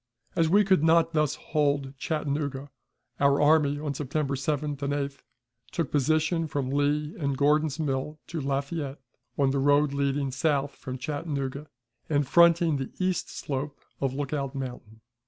As we could not thus hold Chattanooga, our army, on September 7th and 8th, took position from Lee and Gordon's Mill to Lafayette, on the road leading south from Chattanooga and fronting the east slope of Lookout Mountain.